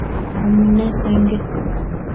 Amunee senge